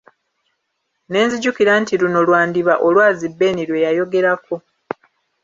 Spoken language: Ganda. Ne nzijukira nti luno lwandiba olwazi Ben lwe yayogerako.